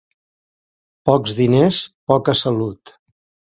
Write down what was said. Pocs diners, poca salut.